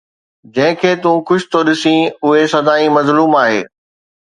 جنهن کي تون خوش ٿو سڏين، اهو سدائين مظلوم آهي